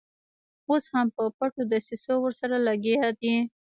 اوس هم په پټو دسیسو ورسره لګیا دي.